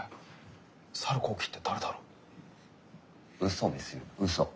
嘘ですよ嘘。